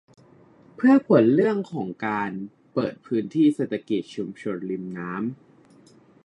เพื่อผลเรื่องของการเปิดพื้นที่เศรษฐกิจชุมชนริมน้ำ